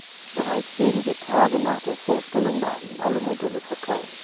Bereits wenige Tage nach der Vorstellung waren alle Modelle verkauft.